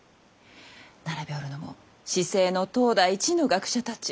並びおるのも市井の当代一の学者たち。